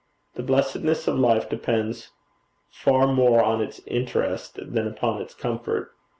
The blessedness of life depends far more on its interest than upon its comfort.